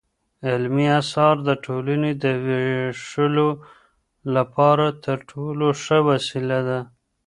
علمي اثار د ټولني د ويښولو لپاره تر ټولو ښه وسيله ده.